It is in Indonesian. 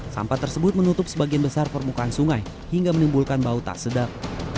sampah tersebut menutup sebagian besar permukaan sungai hingga menimbulkan bau tak sedap